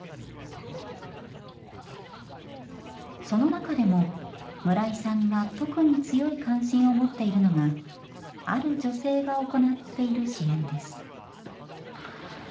その中でも村井さんが特に強い関心を持っているのがある女性が行っている支援です。